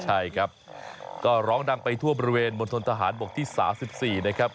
ใช่ครับก็ร้องดังไปทั่วบริเวณมณฑนทหารบกที่๓๔นะครับ